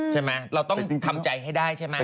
ใช่ไหมเราต้องทำใจให้ได้ใช่ไหม